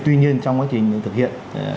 tuy nhiên trong quá trình thực hiện